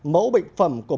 mẫu bệnh phẩm của bệnh nhân